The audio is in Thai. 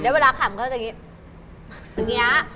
แล้วเวลาขับเขาจะอย่างเงี้ย